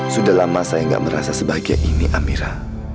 sudahlah masa yang nggak merasa sebahagia ini amira